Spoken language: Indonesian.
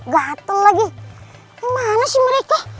gatel lagi kemana sih mereka